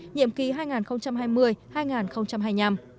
nhiệm ký hai nghìn hai mươi hai nghìn hai mươi năm